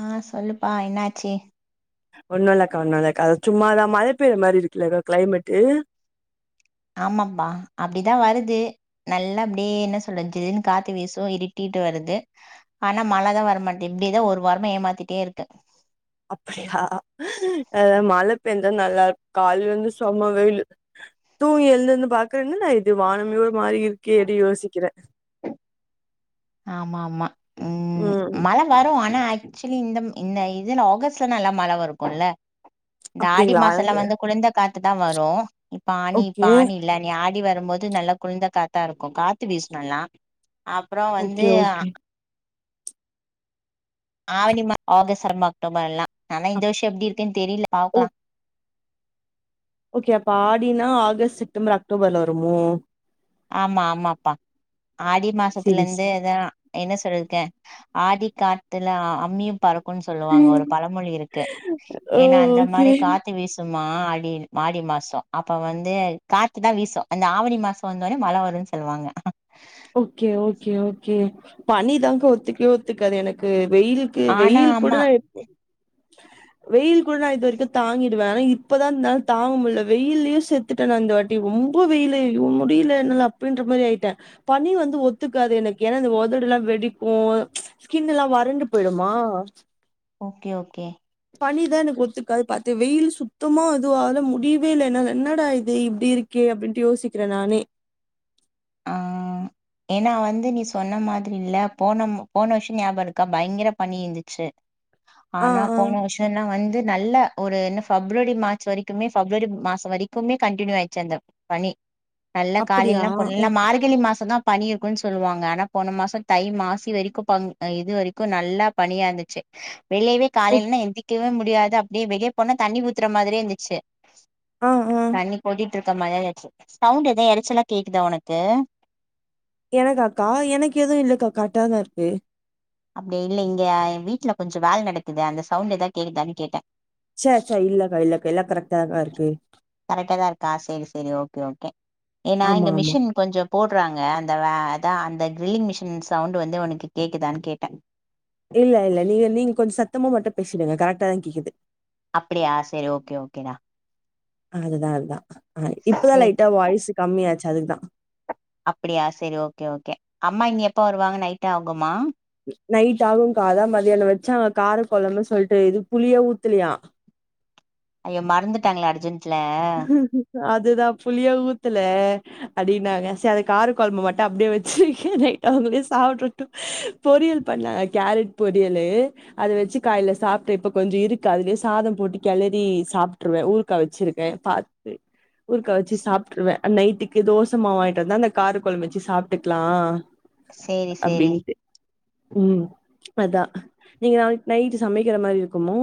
ஆ சொல்லுப்பா என்னாச்சி ஒண்ணு இல்லக்கா ஒன்னு இல்லக்கா அ சும்மாதா மழ பெய்ற மாரி இருக்குல்லக்கா கிளைமேட்டு ஆமாப்பா அப்டிதா வருது நல்லா அப்டியே என்ன சொல்றதுன் காத்து வீசு இருட்டி ட்டு வருது ஆனா மழதா வரமாட்டே இப்டிதா ஒரு வாரம ஏமாத்திட்டே இருக்கு அப்புடியா அ மழ பெய்ஞ்சா நல்லா இருக்கு கால்லருந்து சொம வெயிலு தூங்கி எழுந்துருந்து பாக்குற என்னடா இது வானமே ஒரு மாறி இருக்கே அப்டி யோசிக்கிற ஆம்மா ஆமா உம் ம் மழ வரு ஆனா ன ஆக்சுலி இந்த இந்த இதுல ஆகஸ்ட்ல நல்லா மழ வரு இருக்குல்ல இந்த ஆடி அப்டிங்களா மாசல்லா வந்து குழந்த காத்துதா வரு இப்ப ஆணி இப்ப ஓகே ஆணி இல்ல நீ ஆடி வ ரம்போது நல்லா குளிந்த காத்தா இருக்கு காத்து வீசணல்லா அப் ஓகே ஓகே ஆவணி ம ஆகஸ்ட் ரும அக்டோபர் எல்லா ஆனா இந்த அப் வர்ஷோ எப்டி இருக்குன் தெரியல ஓ பாக்லா ஓகே அப்ப ஆடினா ஆகஸ்ட் செப்டம்பர் அக்டோபர்ல வருமோ ஆமா ஆமாப்பா ஆடி மாசத்துல செரி செரி இருந்தேதா என்ன சொல்ற்க்க ஆடி காத்துல அ அம்மியு பறக் கும் சொல்லுவாங்க ஒரு பழமொழி இருக்கு ஓ ஏன்னா அந்த ஓகே மாரி காத்து வீசும் மா ஆடி மாடி மாசோ அப்ப வந்து காத்து தா வீசு அந்த ஆவணி மாஸ் கொன்தோனே மழ வருன் சொல்வாங்க ஓகே ஓகே ஓகே பனிதாங்க்கா ஒத்துக்கவே ஒத்துக்காது எனக்கு வெயிலுக்கு ஆனா வெயில் கூட ஆமா வெயில் கூட நா இது வரைக்கு தாங்கிடுவே ஆனா இப்பதா நா தாங்க முடியல வெயிலேயே செத்துட்டே நா இந்த வாட்டி ஓ ரொம்ப வெயிலு முடியல என்னல்ல அப்புடின்ற மாரி ஆயிட்டே பனி வந்து ஒத்துக்காது எனக்கு ஏன்னா இந்த ஒதடு எல்லா வெடிக்கு ஸ்கின் எல்லா வறண்டு போயிடுமா ஓகே ஓகே பணிதா எனக்கு ஒத்துக்காது பாத்த வெயில் சுத்தமா அது ஆலே முடியவே இல்ல என்னால என்னடா இது இப்பிடி இருக்கே ஏன் அப்பிடின்ட்டு யோசிக்கிறே நானே ஆ ஏன்னா வந்து நீ சொன்ன மாதிரி இல்ல போன போன வருஷம் ஞாபகம் இருக்கா பயங்கர பணி இருந்துச்சு ஆ ஆனா ஆ போன வருஷ்ன்னா வந்து நல்ல ஒரு என்ன பிப்ரவரி மார்ச் வரைக்குமே பிப்ரவரி மாச வரைக்குமே கண்டடிினியூ ஆயிச்சு அந்த பனி நல்ல அப்டியா காலைல்லா ஆ புல்லா மார்கழி மாச தா பனி இரு னு சொல்லுவாங்க ஆனா போன மாச தை மாசி வரைக்கு ப இது வரைக்கு நல்லா பனியா இருந்துச்சு வெளியவே ஓ காலையின்னா எந்திக்கவே முடியாது அப்டியே வெளியே போனா தண்ணி ஊத்துற மாதிரியே இருந்துச்சு ஆ ஆ தண்ணி போட்டிட்டு இருக்க மாதச்சு சவுண்ட் எத எறைச்சல்லா கே இதா உனக்கு எனக்க அக்கா எனக்கு எதுவு இல்லக்காக்கா கரெட்டாதா இருக்கு அப்டி இல்ல இங்க என் வீட்ல கொஞ்ச வேல நடக்குது அந்த சவுண்ட் ஏதா கேக்குதான்னு கேட்டே ச ச இல்லக்கா இல்லக்கா எல்லா கரெக்டாதா இருக்கு கரெக்டா தா இருக்கா சேரி சேரி ஓகே ஓகே ஏன்னா ஆமா இந்த ஆமா மிஷின் கொஞ்ச போட்றாங்க அந்த அதா அந்த டிரில்லிங் மிஷின் சவுண்டு வந்து உனக்கு கேட்குதான்னு கேட்டே இல்ல இல்ல நீங்க நீங்க கொஞ்ச சத்தமா மட்டு பேசிடுங்க கரெக்டா தா கேக்குுது அப்டியா சரி ஓகே ஓகே டா அதுதா அதுதா ஆ இப்பதா சேரி லைட்டா வாய்ஸ் கம்மியாச்சு அதுக்தா ப்டியா சரி ஓகே ஓகே அம்மா இங்க எப்ப வருவாங்க நைட்டாகுமா நைட் ஆகு காதா மதியான வச்சாங்க கார கொழம்பன்னு சொல்ட்டு இது புளியே ஊத்துலியா ஐ்யோ மறந்துட்டாங்களா அர்ஜென்ட்ல அதுதா புளிய ஊத்துல அடின்னாங்க சரி அது கார குழம்பு மட்டு அப்டியே வச்சி அவங்களே சாப்டட்டு பொரியல் பண்ண கேரட் பொரியலு அத வச்சு காயல சாப் சாப்ட்டு இப்ப கொஞ்ச இருக்கு அதுலயே சாத போட்டு கிளறி சாப்ட்ருவே ஊருக்கா வச்சி பாத்து ஊருக்கா வச்சு சாப்ட்ருவே நைட்டுக்கு தோசமா வாங்கிட்டு இருந்தா அந்த காரு குழம்ப வச்சு சாப்ட்டுக்கலா சேரி சேரி அப்டின்ட்டு ம் அதா நீங்க நாளை நைட்டு சமைக்கிற மாதிரி இருக்குமோ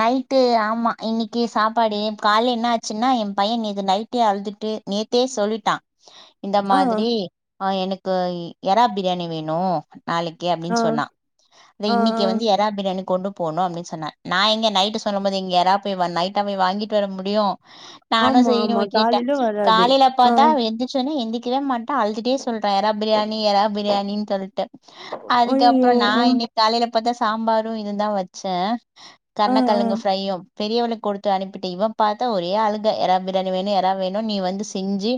நைட்டு ஆமா இன்னைக்கு சாப்பாடு கால என்ன ஆச்சுன்னா எ பைய இது நைட்டே அழுதுட்டு நேத்தே சொல்லிட்டா இந்த ஆ மாதிரி ஆ எனக்கு யரா பிரியாணி வேணு நாளைக்கி ஆ அப்டின்னு சொன்னா அத ஆ ஆ இன்னைக்கி வந்து எரா பிரியாணி கொண்டு போணு அப்டின்னு சொன்ன நா எங்கே நைட்டு சொல்லும்போது இங்கே யரா போய் வ நைட்டா போய் வாங்கிட்டு வர முடியு நானு ஆமா சரனு ஆமா போய் கேட்டே காலைல வராது காலையில ஆ பாத்தா அவ எந்திரச்சுன்னே எந்தி க்கிட மாட்டா அழுதுட்டே சொல்றா எறா பிரியாணி எறா பிரியாணின்னு சொல்ட்டு அதுக்கப்புறோ அய்யய்யோ நா ஆ இன்னைக் காலையில பாத்தா சாம்பாரு இது தா வச்சே ஆ ஆ கருண்ணக்கலுங்கு ஃப்ரையும் பெரியவளக் கொடுத்து அனுப்பிட்ட இவ பாத்தா ஒரே அழுக எறா பிரியாணி வேணு எறா வேணு நீ வந்து செஞ்சி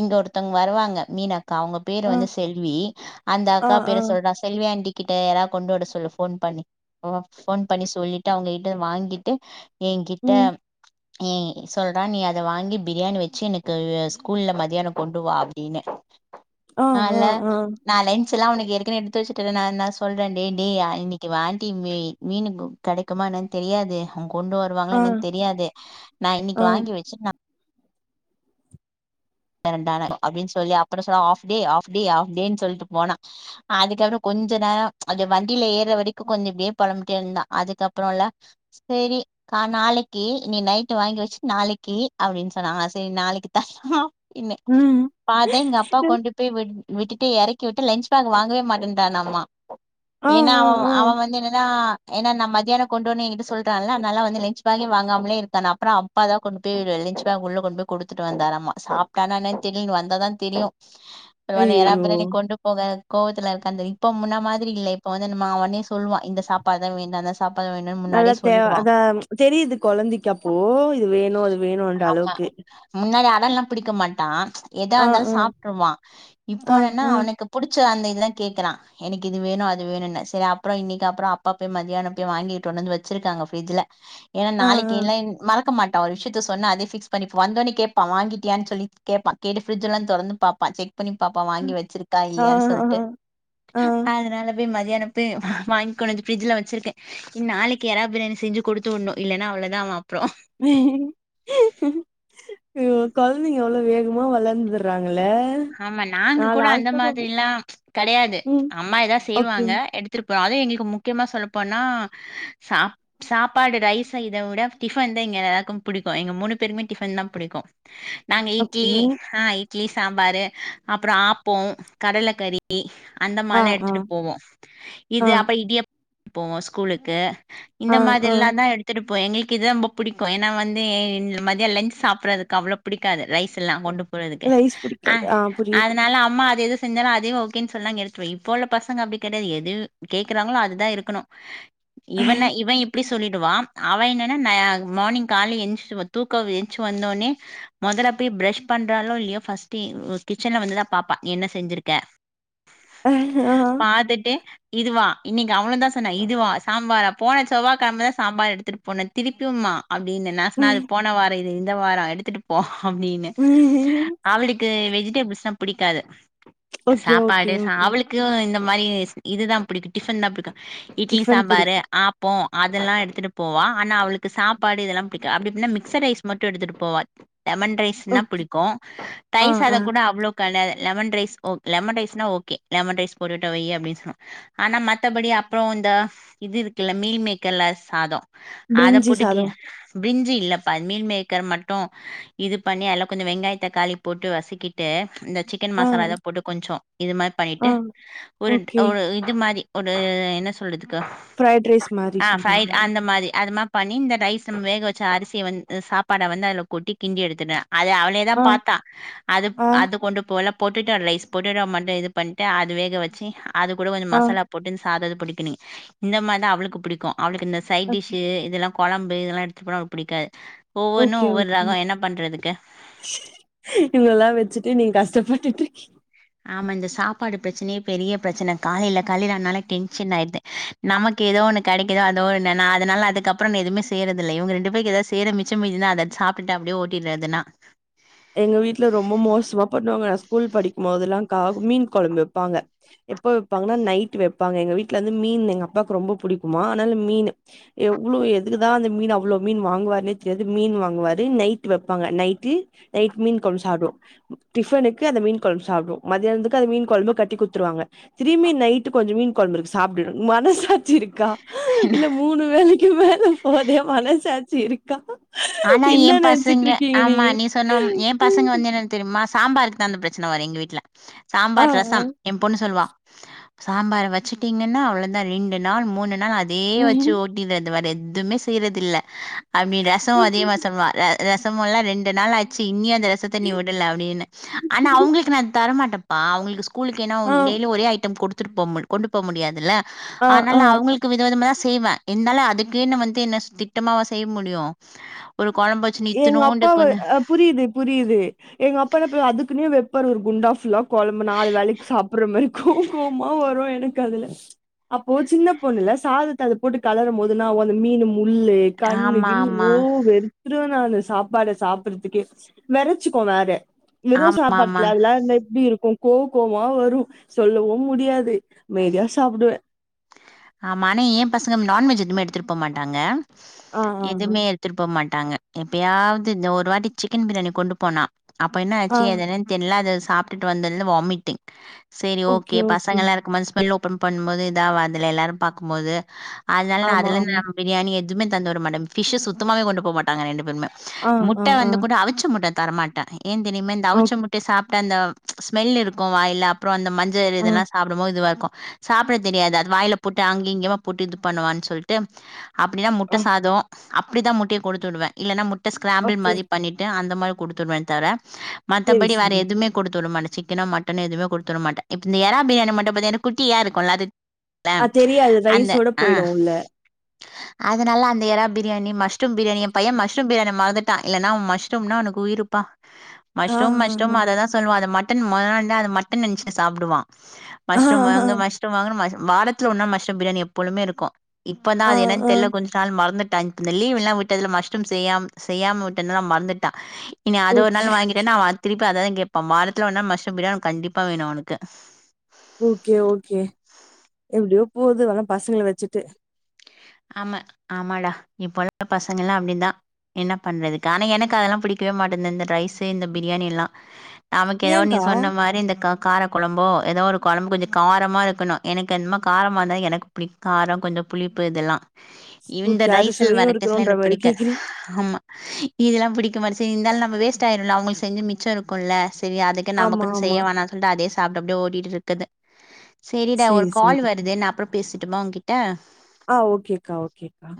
இங்க ஒருத்தவங்க வருவாங்க மீன க்கா அவங்க பேரு ஆ வந்து செல்வி அந்த ஆ அக்கா ஆ பேரு சொல்றா செல்வி ஆண்ட்டி கிட்ட யாரா கொண்டு வட சொல்லு போன் பண்ணி போன் பண்ணி சொல்லிட்டு அவங்ககிட்ட வாங்கிட்டு எ கிட்ட ம் இ சொல்றா நீ அத வாங்கி பிரியாணி வச்சு எனக்கு ஸ்கூல்ல மத்தியான கொண்டு வா அப்டின்னு ஆ ஆ ஆல்ல ஆ ந ஆக்சுவல்லா அவனக்கு ஏற்கனவே எடுத்து வச்சட்டே நா நா சொல்றே டே டே இன்னைக்கு ஆண்ட்டி மீ மீனுக் கடைக்குமா என்னன்னு தெரியாது அவ்ங்க கொண்டு வருவாங்களா ஆ என்னன்னு தெரியாது நா இன்னைக்கு ஆ வாங்கி வச்சுட் நா கொண்டு வரன்டா அப்டின்னு சொல்லி அப்புறோ சொனு half day half day half day சொல்லிட்டு போனா அதுக்கப்புறோ கொஞ்ச கொஞ்ச நேரோ வண்டியில ஏர்ற வரைக்கு கொஞ்சம்ப்படியே பொழம்பிட்டே இருந்தா அதுக்கப்புறோ இல்ல சேரி கா நாளைக்கி நீ நைட்டு வாங்கி வச்சு நாளைக்கி அப்படின்னு சொன்னாங்க சரி நாளைக்கி தர்லா இன்னு ம் பாத்த எங்க அப்பா கொண்டு போய் விட்டுட்டு எறக் கி விட்டு லன்ச் பேக் வாங்கவே மாட்டேட்டானம்மா ஆ ஏன்னா ஆ அவ ஆ அவ வந்து என்னனா ஏன்னா நா மதியான கொண்டு வரேன்னு எங்கிட்ட சொல்ட்டான்ல அனால வந்து லன்ச் பேகே வாங்காமலே இருக்கானா அப்பற அப்பா தா கொண்டு போய் விடு லஞ்ச் பேக் உள்ள கொண்டு போய் குடுத்துட்டு வந்தாராமமா சாப் ட்டானானே தெரில வந்தா தா தெரியு ஒருவேளை ஏறா ஐயையோ! பிரியாணி கொண்டு போக கோவத்துல இருக்கா தெரியு இப்போ முன்ன மாதிரி இல்ல இப்ப வந்து நம்ம அவனே சொல்வா இந்த சாப்பாடு தா வேண்டாதா நல்லததே அதா தெரியுது கொழந்தைக்கி அப்போ இது வேணு அது வேணுன்ற அளவுக்கு டல்லாம் புடிக்க மாட்டா ஏத ஆ இருந்தாலு ஆ சாப்ட்ருவா இப்ப ஆ என்னன்னா ஆ அவனுக்கு புடி ச்சு அந்த இல்லன்னு கேக்குறா எனக்கு இது வேணு அது வேணுனு செரி அப்பறோ இன்னிக்கி அப்பறோ அப்பா மதியானம் போய் வாங்கிட்டு வந் ந்து வச்சிர்க்காங்க பிரிடஜ்ல ஏன்னா ஆ நாளைக்கி ஆ இல்லைன் மறக்க மாட்டா ஒரு விஷயத்த சொன்னா அதே பிக்ஸ் பண்ணி இப்ப வந்தோனே கேப்பா வாங்கிட் டியானு சொல்லி கேப்பா கேட்டு பிரிட்ஜ்லா தொறந்து பாப்பா செக் பன்னி பாப்பா வாங்கி வச்சிருக்கா ஆ இல்லையான்னு ஆ சொல்ட்டு ஆ ஆ அதனால போய் மத்யானோ போய் வா வாங்கி கொனந்து பிரிட்ஜ்ல வச்சிருக்கே நாளைக்கு எறா பிரியாணி செஞ்சு குடுத்துவுடணு இல்ன்னா அவ்ளதா அவ அப்றோ ஐயோ கொழந்தைங்க எவ்ள வேகமா வளந்துறாங்க ஆமா நாங்க கூட அந்த பாக்கும் மாதிரிலா கெடையாது ம். அம்மா எதா ஓகே செய்வாங்க எடுத்துட்டு ப்ப அதே எங்களுக்கு முக்கியமா சொல்லப்போனா சாப் சாப்பாடு ரைஸ இத விட டிஃபன் தா ங்க எல்லாருக்கு புடிக்கு எங்க மூணு பேருமே டிஃபன் தா புடிக்கு நாங்க இட்லி ஓகே. ஆஹ் இட்லி சாம்பாரு அப்பறோ ஆப்போம் கடலக்கறி அந்த ஆ மாலே ஆ எடுத்துட்டு போவோ இது ஆ அப்ப இடியப் போவோ ஸ்கூலுக்கு இந்த ஆ மாதிரி ஆ எல்லா தா எடுத்துட் இப்போ எங்களுக்கி இதா ரொம்ப புடிக்கு ஏன்னா வந்து இந்த மதிய லஞ்ச் சாப்பறதுக்கு அவ்ள பிடிக்காது ரைஸ் எல்லா கொண்டு போறதுக்கு ரைஸ் ஆ பிடிக்காது. புரியுது. அதனால அம்மா அது எது செஞ்சால அதே ஓகேன்னு சொன்னாங்க எடுத்து வை இப்போ உள்ள பசங்க அப்டி கெடையாது எது கேக்குறாங்களோ அதுதா இருக்கணு இவன இவ இப்டி சொ சொல்லிடுவா அவ என்னன்னா நா மார்னிங் கால்ல ஏஞ்சு தூக்கம் ஏஞ்சு வந்தோனே மொதல போய் பிரஷ் பண்றாலோ இல்லயோ பர்ஸ்ட்டு இவ் கிச்சன்ல வந்து தா பாப்பா என்ன செஞ்சிருக்க ஆ பாத்துட்டு இதுவா இன்னிக்கு அவளு தா சொன்னா இதுவா சாம்பாரா போன செவ்வா கெழம தா சாம்பார் எடுத்தட்டு போனே திருப்பியும்மா அப்டின்ன நா சொன்னாரு போன வாரோ இது இந்த வாரோ எடுத்துட்டு போ அப்டின்னு அவளுக்கு வெஜிடேபிள்ஸ்னா புடிக்காது ஓகே ஓகே சாப்பாடு சா ஓகே. அவளுக்கு இந் மாரி இது தா புடிக்கு டிபன் தா புடிக்கு இட்லி டிஃபன் சாம்பாரு பிடிக்கும். ஆப்போ அதெல்லா எடுத்துட்டு போவா ஆனா அவளுக்கு சாப்பாடு இதெல்லா பிடிக்கா அப்டின்னா மிக்ச ரைஸ் மட்டு எடுத்துட்டு போவா லெமன் ரைஸ்ன்னா ஓ புடிக்கு ஆ தையிர் ஆ சாதம் கூட அவ்ளோ கடை லெமன் ரைஸ் ஓ லெமன் ரைஸ் நா ஓகே லெமன் ரைஸ் போட்டுவிட்ட வை அப்டி சொல்வா ஆனா மத்தபடி அப்பறோ இந்த இது இருக்குல்ல மீல் மேக்கர்ல சாதோ அத பிரிஞ்சி போட்டுக் கி சாதோ பிரிஞ்சி இல்லப்பா மீல் மேக்கர் மட்டு இது பண்ணி அதல கொஞ்ச வெங்காய தக்காளி போட்டு வசிக்கி விட்டு இந்த சிக்கன் ஆ மசாலா ஏதோ போட்டு கொஞ்சோ இது மாரி பண்ணிட்டு ஆ ஒரு ஓகே ஒரு இது மாரி ஒரு என்ன சொல்றதுக்கா ஃப்ரைட் ரைஸ் மாரி ஆ ஃப்ரை சொல்றீங்களா? அந்த மாரி அது மா பண்ணி இந்த ரைஸ் நம்ம வேக வச்ச அரிசிய வந் சாப்பாட வந்து அதுல கொட்டி கிண்டி எடுத்துட்டே அது அவளே தா ஆ பாத்தா அது ஆ அது கொண்டு போல பொட்டுட்டோ ரைஸ் பொட்டுட்டோ மட்டு இது பண்ட்டு அது வேக வச்சு அது கூட கொஞ்ச ஆ மசாலா போட்டு இந்த சாத புடிக்கனி இந்த மார் தா அவளுக்கு புடிக்கு அவளுக்கு இந்த சைட் ஓகே டிஷு இதெல்லா கொழம்பு இதெல்லா எடுத்துட்டு போனா அவளுக்கு புடிக்காது ஓகே ஓகே இவங்கல்லா வச்சு ட்டு நீங்க கஷ்டப்பட்டுட்டு இருக்கீ ஆமா இந்த சாப்பாடு பிரச்சனயே பெரிய பிரச்சன காலைல காலைல ஆனாலே டென்ஷன் ஆயிடுது நமக்கு ஏதோ ஒன் என்ன கெடைக்குதோ அதோ ஒன்னு நா அதனால அதுக்கப்பறோ நா எதுமே செய்யறது இல்ல இவங்க ரெண்டு பேருக்கு எதா செய்ற மிச்சம் மீதி இந்தா அத சாப்ட்டுட்டு அப்டியே ஓட்டிறது நா எங்க வீட்டுல ரொம்ப மோசமா பண்ணுவாங்க நா ஸ்கூல் படிக்கும்போதல்லாகா மீன் கொழம்பு வெப்பாங்க எப்ப வைப்பாங்கன்னா நைட்டு வைப்பாங்க எங்க வீட்ல இருந்து மீன் எங்க அப்பாவுக்கு ரொம்ப புடிக்குமா அதனால மீனு அவ்ளோ எதுக்குதா அந்த மீன் அவ்ளோ மீன் வாங்குவாருனே தெரியாது மீன் வாங்குவாரு நைட் வைப்பாங்க நைட்டு நைட் மீன் குழம்பு சாப்டுவோ டிபனுக்கு அந்த மீன் குழம்பு சாப்டுவோ மதியானத்துக்கு அந்த மீன் குழம்பு கட்டி கூத்துருவாங் க திரும்பி நைட்டு கொஞ்ச மீன் குழம்பு இருக்கு சாப்டு மனசாச்சி இருக் க்கா இல்ல மூணு வேலைக்கு மேல போதே மனசாச்சி இருக்கா ஆனா என்ன ஏ நெனச்சிட்டு பாசங்க இருக்கீங்க ஆமா நீங்க? நீ சொன்ன ஏ பசங்க வந்து என்னன்னு தெரியுமா சாம்பாருக்கு தா அந்த பிரச்சன வரு எங்க வீட்ல ஆ, சாம்பார் ஆ. ரசம் ஏ பொண்ணு சொல்லுவா சாம்பார் வச்சுட்டீங்கன்னா அவ்ளோதா ரெண்டு நாள் மூணு நாள் அதே வச்சு ம்ஹ்ம். ஓட்டிறது வேற எதுமே செய்யறது இல்ல அப்டி ரசம் அதேமா சொல்வா ரசம்மெல்லா ரெண்டு நாள் ஆச்சு இனியு அந்த ரசத்த நீ விடல அப்படின்னு ஆனா அவங்களுக் நா தரமாட்டப்பா அவங்களுக்கு ஸ்கூலுக்கு ஏன்னா ஆ, டெய்லி ஒரே ஐட்டம் கொடுத்துட்டு போ கொண்டு போ முடியாதுல்ல ஆ, ஆ. ஆனாலு அவங்களுக்கு வித விதமா தா செய்வ இருந்தாலு அதுக்குனு வந்து என்ன திட்டமாவா செய்ய முடியு ஒரு கொழம்பு வச்சுன்னு எங்க இத்துனூண்டு அப்பாவ கொஞ்ச ஆ புரியுது புரியுது எங்க அப்பான அதுக்குனே வைப்பர் ஒரு குண்டா ஃபுல்லா கொலம்பு நாலு வேலைக்கு சாப்படற மாறி கோ கோமா வரு எனக்கு அதுல அப்போ சின்ன பொண்ணுல்ல சாதத்த அத போட்டு கலர போது என்ன ஆவு அந்த மீனு முல்லு கண்ணு ஆமா கின்னு ஆமா ஓ வெரு திருவ நானு சாப்பாட சாப்பறதுக்கே வேறச்சுக்கு வேற வெறு ஆமா ஆமா சாப்பாட்லல எப்படி இருக்கு கோ கோவமா வரு சொல்லவு முடியாது அமைதியா சாப்புடுவே ஆமா ஆனா எ பசங்க நான்வெஜ் எதுமே எடுத்துட்டு போமாட்டாங்க ஆ, ஆ, ஆ. எதுமே எடுத்துட்டு போமாட் டாங்க எப்பயாது தா ஒரு வாட்டி சிக்கன் பிரியாணி கொண்டு போனா அப்ப என்ன ஆ. ஆச்சு அதென்னு தெர்ல அத சாப்டுட்டு வந்ததுல இருந்து வாமிட்டிங் சேரி ஓகே பசங்கலா இருக்கு போது ஸ்மெல் ஓபன் பண்ணு போது எதாவா ல எல்லாரு பாக்குபோது அதனாலா நா ஆமா, அதுல ஆமா. இருந்து பிரியாணி எ துமே தந்துவுட மாட்டே ஃபிஷ்சு சுத்தமாவே கொண்டு போமாட்டாங்க ரெண்டு பேருமே ஆ, ஆ, முட்ட ஆ. வந்து கூட அவிச்ச முட்ட தரமாட்ட ஏன் தெரிமா இந்த ஓக் அவுச்ச முட்ட சாப்டா அந்த ஸ்மெல் இருக்கு வாயில்ல அப்ப அப்றோ அந்த மஞ்சள் ஆ, இதெலா சாப்டபோது இதுவா இருக்கு சாப்பட தெரியாது ஆ வாயில போட்டு அங்க இங்கியுமா போட்டு இது பண்ணுவான்னு சொல்லிட்டு அப்டின்னா முட்ட ஆ. சாதம் அப்படி தா முட்டைய கொடுத்துடுவிடுவ இல்லனா முட்ட ஸ்க்ராம்பெல் ஓகே. மாதிரி பண்ணிட்டு அந்த மாதிரி கொடுத்துடுவ தர சரி, மத்தபடி வேற சரி. எதுவுமே கொடுத்துவூடமாட்டே சிக்கனோ மட்டன்னோ எதுமே கொடுத்துட மாட்ட இப்ப இந்த ஏறா பிரியாணி மட்டு பாத்தா ஏன்னா குட்டியா இருக்குல அது ல ஆ தெரியாது. அந்த ரைஸோட ஆ போயிடும் உள்ள. அதனால அந்த எறா பிரியணி மஷ்ரூம் பிரியாணி எ பையன் மஷ்ரூம் பிரியாணி மறந்துட்டா இல்லன்னா மஷ்ரூம்னா அவன்க்கு உயிருப்பா ஆ, மஷ்ரூம் ஆ, ஆ. மஷ்ரூம் அததா சொல்லுவா அத மட்டன் மான மட்டன் நெனச்சு சாப்புடுவா ஆ, மஷ்ரூம் வாங்கு ஆ, மஷ்ரூம் வாங்குனு வாரத்துல ஓர் நாள் மஷ்ரூம் பிரியாணி எப்பொழுமே இருக்கு இப்பதா ஆ, அது என்னனு ஆ. தெர்ல கொஞ்ச நாள் மறந்துட் இந்த லீவ்லா விட்டதுல மஷ்ரூம் செய்யா செய்யாம விட்டனால மறந்துட்டா இனி அது ஒரு ஓகே, நாள் வாங்கிட்டேன அவ அத திருப்பி இப்ப அதா கேப்பா வாரத்துல ஒருநாள் மஷ்ரூம் பிரியாணி கண்டிப்பா வேணு அவனுக்கு ஓகே ஓகே எப்டியோ போது ஆனா பசங்கள வச்சுட்டு ஆமா ஆமாடா இப்போல்லா பசங்கலா அப்டிதா என்ன பண்றதுக் ஆனா எனக் அதெல்லா புடிக் வே மாட்டேந்து இந்த ரைஸ் இந்த பிரியாணி எல்லா நமக்கு ஏததோ நீ ஏன்க்கா? சொன்ன மாறி இந்த காக் கார கொழம்போ ஏதோ ஒரு கொழம்பு கொஞ்ச காரமா இருக்கணு எனக்கு என்னமோ காரமா இருந்தா எனக்கு புளி காரம் கொஞ்ச புளி பப்பு இதெல்லா இந்த ஓகே. ரைசல் அறுசுவையும் வரட்டிஸ்லா இருக்கணுன்ற எனக்கு மாரி பிடிக்க கேட்கிறீங்க. ஆமா இதெல்லா புடிக்க மாட்டிது சரி இருந்தாலு நம்ம வேஸ்ட் ஆயிடும்ல அவங்களுக்கு செஞ்ச மிச்ச இருக்கும்ல்ல செரி அதுக்குனு ஆமா, நமக்குன்னு செய்ய ஆமா. வேணாம்னு சொல்லிட்டு அதே சாப்டு அப்படியே ஓடிட்டு இருக்குது சரிடா ஒரு சரி, சரி. கால் வருது நா அப்புறம் பேசட்டுமா உன் கிட்ட ஆ ஓகேக்கா ஓகேக்கா